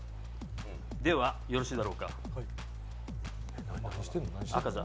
では、よろしいだろうか。